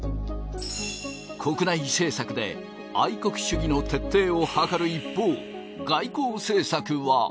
国内政策で愛国主義の徹底を図る一方外交政策は。